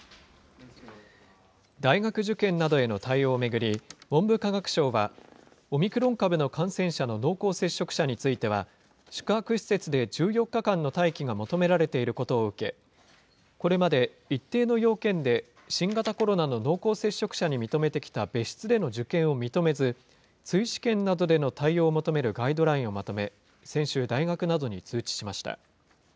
大学受験などへの対応を巡り、文部科学省は、オミクロン株の感染者の濃厚接触者については、宿泊施設で１４日間の待機が求められていることを受け、これまで一定の要件で新型コロナの濃厚接触者に認めてきた別室での受験を認めず、追試験などでの対応を求めるガイドラインをまとめ、先週、大学などに通知しました。